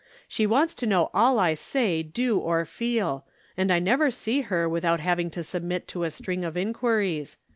She wants to know all I say, do, or feel, and I never see her without having to submit to a string of inquiries.